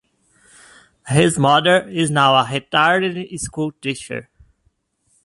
His mother is now a retired school teacher.